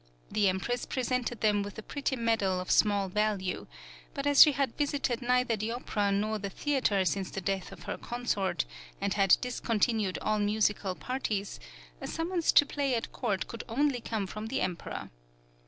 The Empress presented them with a pretty medal of small value; but as she had visited neither the opera nor the theatre since the death of her consort, and had discontinued all musical parties, a summons to play at court could only come from the Emperor.